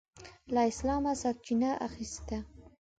له اسلامه سرچینه اخیسته.